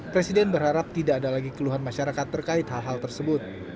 presiden berharap tidak ada lagi keluhan masyarakat terkait hal hal tersebut